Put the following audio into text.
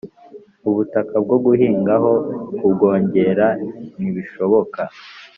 ubutaka bwo guhingaho ku bwongera ntibishoboka.